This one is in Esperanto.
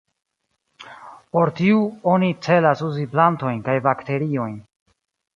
Por tiu oni celas uzi plantojn kaj bakteriojn.